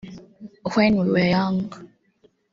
“When We Were Young”